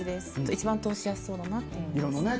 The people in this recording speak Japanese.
一番通しやすそうだなと思います。